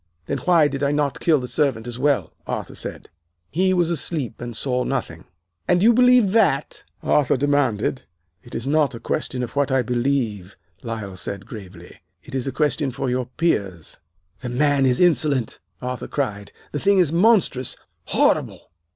"'Then why did I not kill the servant as well!' Arthur said. "'He was asleep, and saw nothing.' "'And you believe that?' Arthur demanded. "'It is not a question of what I believe,' Lyle said gravely. 'It is a question for your peers.' "'The man is insolent!' Arthur cried. 'The thing is monstrous! Horrible!